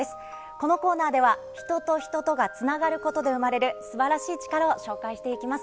このコーナーでは、人と人とがつながることで生まれる、すばらしい力をご紹介していきます。